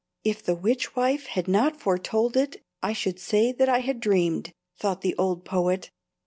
"If the witchwife had not foretold it I should say that I dreamed," thought the old poet.